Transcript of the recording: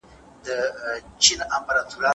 تاسي بايد خپل حقايق ثابت کړئ.